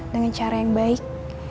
dengan cara yang baik